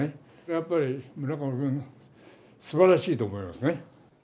やっぱり村上君、すばらしいと思いますね。